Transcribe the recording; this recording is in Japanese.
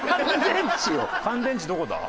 乾電池どこだ？